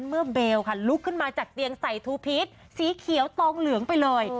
เบลค่ะลุกขึ้นมาจากเตียงใส่ทูพีชสีเขียวตองเหลืองไปเลย